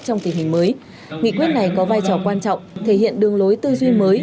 trong tình hình mới nghị quyết này có vai trò quan trọng thể hiện đường lối tư duy mới